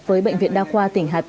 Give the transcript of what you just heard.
với bệnh viện đa khoa tỉnh hà tĩnh